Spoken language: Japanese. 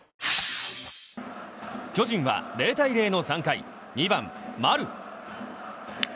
巨人は０対０の３回２番、丸。